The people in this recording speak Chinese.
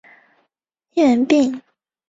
医源病。